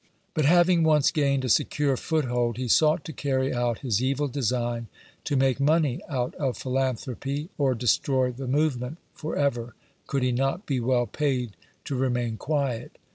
But having once gained a secure foothold, he sought to carry out his evil design to make money out of philanthropy, or destroy the movement for ever, could he not be well paid to remain quiet.